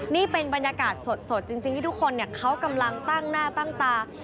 นี่เป็นบรรยากาศสดจริงที่ทุกคนเขากำลังตั้งหน้าตั้งตา